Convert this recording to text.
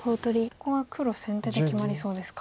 ここは黒先手で決まりそうですか。